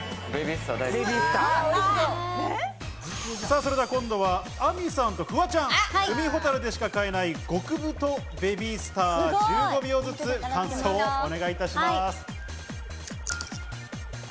それでは今度はＡｍｉさんと、フワちゃん、海ほたるでしか買えない極太ベビースター、１５秒ずつ感想をお願いいたします。